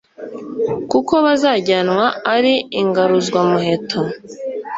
kuko bazajyanwa ari ingaruzwamuheto.